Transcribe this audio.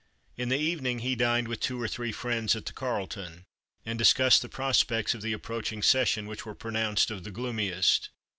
In the evening he dined with two or three friends at the Carlton, and discussed the prospects of the approach ing session, which were pronounced of the gloomiest.